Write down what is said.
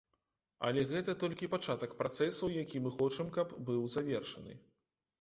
Але гэта толькі пачатак працэсу, які мы хочам, каб быў завершаны.